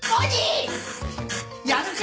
やるか！？